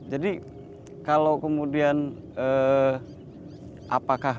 jadi kalau kemudian apakah